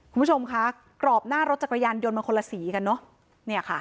คุณผู้ชมคะกรอบหน้ารถจักรยานยนต์มาคนละสีกันเนอะ